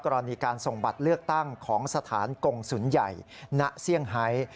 กรณีการส่งบัตรเลือกตั้งของสถานกงศูนย์ใหญ่ณเซี่ยงไฮ